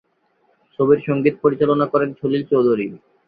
ছবির সংগীত পরিচালনা করেন সলিল চৌধুরী।